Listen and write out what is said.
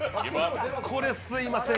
これ、すいません。